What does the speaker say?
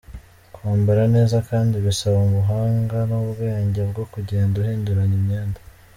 Kwambara neza kandi bisaba ubuhanga n'ubwenge bwo kugenda uhinduranya imyenda.